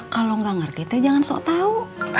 kalau gak ngerti teh jangan sok tau